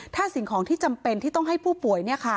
ถ้าสิ่งของที่จำเป็นที่ต้องให้ผู้ป่วย